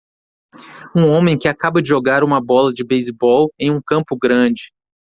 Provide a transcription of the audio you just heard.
Um homem que acaba de jogar uma bola de beisebol em um campo grande.